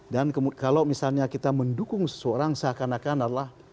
dan kalau misalnya kita mendukung seseorang seakan akan adalah